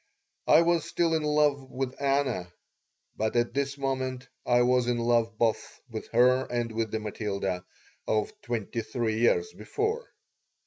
I was still in love with Anna, but at this moment I was in love both with her and with the Matilda of twenty three years before.